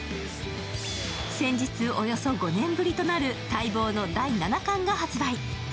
先日、およそ５年ぶりとなる待望の第７巻が発売。